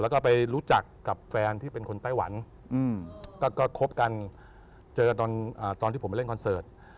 แล้วก็ไปรู้จักกับแฟนที่เป็นคนไต้หวันก็คบกันเจอตอนที่ผมไปเล่นคอนเสิร์ต